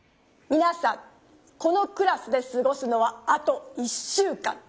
みなさんこのクラスですごすのはあと１週間。